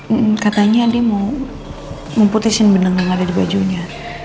hmm katanya dia mau putusin benang yang ada di bajunya